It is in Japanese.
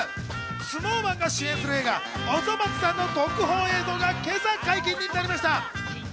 ＳｎｏｗＭａｎが主演する映画『おそ松さん』の特報映像が今朝、解禁になりました。